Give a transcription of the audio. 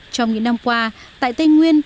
trong những năm qua tại tây nguyên